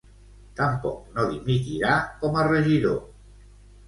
Tampoc no dimitirà com a regidor.